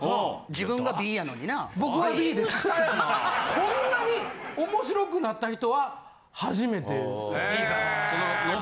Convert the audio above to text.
こんなに面白くなった人は初めて。へそうなんや。